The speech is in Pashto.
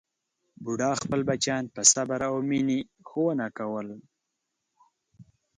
بوډا خپل بچیان په صبر او مینې ښوونه کول.